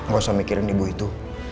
gak usah mikirin ibu itu